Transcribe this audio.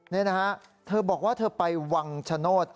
นี่นะฮะเธอบอกว่าเธอไปวังชโนธ